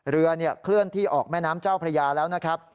เรือเคลื่อนที่ออกแม่น้ำเจ้าพระยาแล้วนะครับ